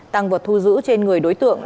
tăng vật thu giữ trên người đối tượng